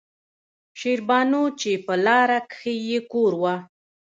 شېربانو چې پۀ لاره کښې يې کور وۀ